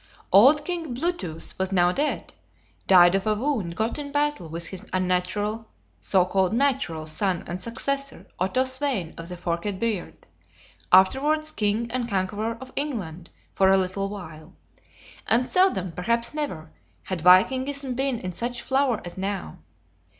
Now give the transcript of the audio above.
Old King Blue tooth was now dead, died of a wound got in battle with his unnatural (so called "natural") son and successor, Otto Svein of the Forked Beard, afterwards king and conqueror of England for a little while; and seldom, perhaps never, had vikingism been in such flower as now.